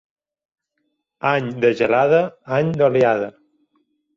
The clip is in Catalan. Any de gelada, any d'oliada.